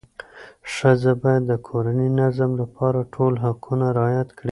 ښځه باید د کورني نظم لپاره ټول حقوق رعایت کړي.